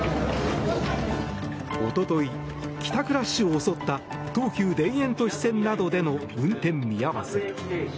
一昨日、帰宅ラッシュを襲った東急田園都市線などでの運転見合わせ。